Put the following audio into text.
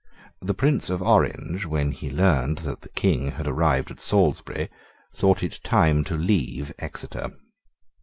The Prince of Orange, when he learned that the King had arrived at Salisbury, thought it time to leave Exeter.